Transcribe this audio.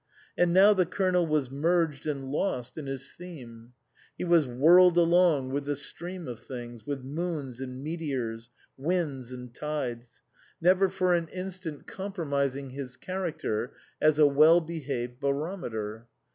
And now the Colonel was merged and lost in his theme ; he was whirled along with the stream of things, with moons and meteors, winds and tides, never for an instant com 12 INLAND promising his character as a well behaved barometer.